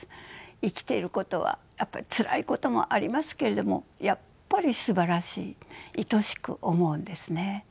生きていることはやっぱりつらいこともありますけれどもやっぱりすばらしいいとしく思うんですね。